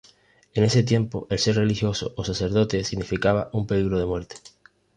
En ese tiempo el ser religioso o sacerdote significaba un peligro de muerte.